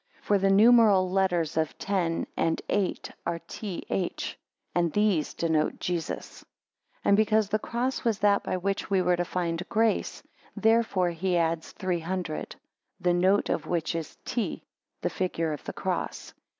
For the numeral letters of ten and eight are T H. And these denote Jesus. 13 And because the cross was that by which we were to find grace, therefore he adds, three hundred; the note of which is T (the figure of his cross).